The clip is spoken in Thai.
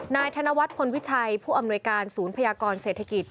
นายธนวัฒน์พลวิชัยผู้อำนวยการศูนย์พยากรเศรษฐกิจ